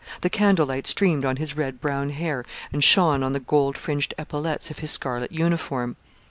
The candlelight streamed on his red brown hair and shone on the gold fringed epaulets of his scarlet uniform.